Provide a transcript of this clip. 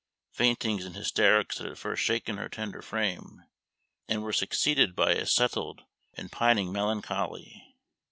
Faintings and hysterics had at first shaken her tender frame, and were succeeded by a settled and pining melancholy.